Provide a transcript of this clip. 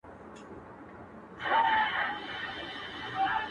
په دربار کي یوه لویه هنګامه وه!.